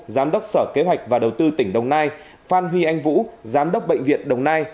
giám đốc sở kế hoạch và đầu tư tỉnh đồng nai phan huy anh vũ giám đốc bệnh viện đồng nai